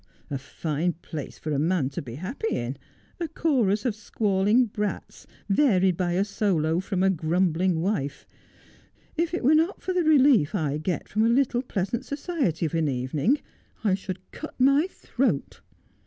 'A fine place for a man to be happy in — a chorus of squalling brats, varied by a solo from a grumbling wife. If it were not for the relief I get from a little pleasant society of an evening I should cut my throat.'